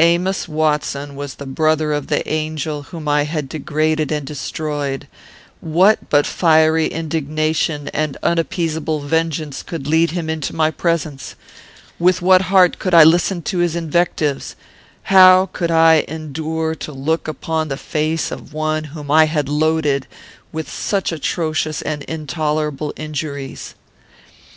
"Amos Watson was the brother of the angel whom I had degraded and destroyed. What but fiery indignation and unappeasable vengeance could lead him into my presence? With what heart could I listen to his invectives? How could I endure to look upon the face of one whom I had loaded with such atrocious and intolerable injuries?